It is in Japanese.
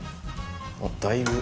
だいぶ。